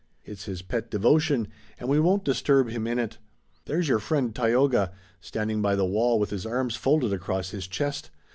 It's his pet devotion, and we won't disturb him in it. There's your friend, Tayoga, standing by the wall with his arms folded across his chest.